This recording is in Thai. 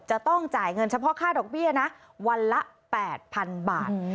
จะต้องจ่ายเงินเฉพาะค่าดอกเบี้ยนะวันละ๘๐๐๐บาท